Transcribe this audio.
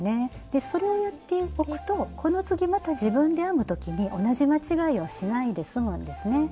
でそれをやっておくとこの次また自分で編む時に同じ間違えをしないで済むんですね。